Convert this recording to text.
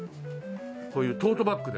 こういうトートバッグで。